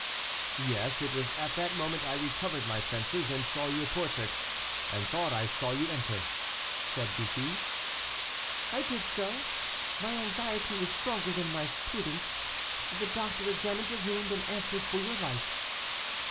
"Yes, it was at that moment I recovered my senses and saw your portrait, and thought I saw you enter," said Bussy. "I did so; my anxiety was stronger than my prudence. The doctor examined your wound and answered for your life."